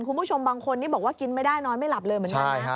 คุณผู้ชมบางคนนี่บอกว่ากินไม่ได้นอนไม่หลับเลยเหมือนกันนะ